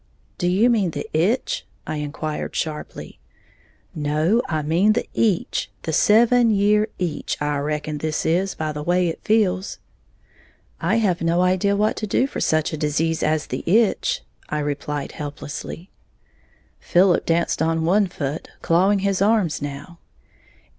"Do you mean the itch?" I inquired, sharply. "No, I mean the eech, the seven year eech I reckon this is, by the way it feels." "I have no idea what to do for such a disease as the itch!" I replied, helplessly. Philip danced on one foot, clawing his arms now.